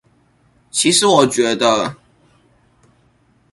其實我覺得